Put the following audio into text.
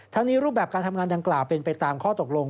ทั้งนี้รูปแบบการทำงานดังกล่าวเป็นไปตามข้อตกลง